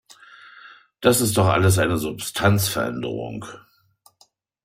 Das ist doch alles eine Substanzveränderung.